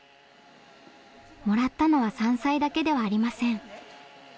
もらったのは山菜だけではありません。